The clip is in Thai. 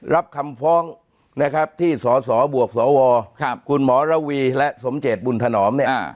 รับคำฟ้องนะครับที่สสบวกสวคุณหมอระวีและสมเจตบุญถนอมเนี่ย